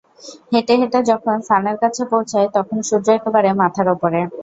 হেঁটে হেঁটে যখন সানের কাছে পৌঁছাই, তখন সূর্য একেবারে মাথার ওপরে।